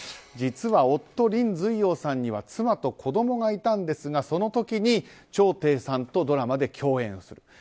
実は夫リン・ズイヨウさんには妻と子供がいたんですがその時にチョウ・テイさんとドラマで共演する。